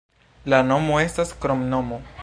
La nomo estas kromnomo.